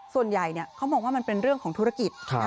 ส่วนใหญ่เขามองว่ามันเป็นเรื่องของธุรกิจ